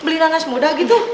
beli nanas muda gitu